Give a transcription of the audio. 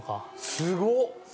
すごっ！